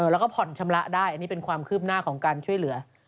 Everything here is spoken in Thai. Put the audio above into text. แล้วก็ผ่อนชำระได้อันนี้เป็นความคืบหน้าของการช่วยเหลือ